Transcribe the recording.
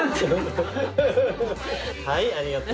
はいありがとう。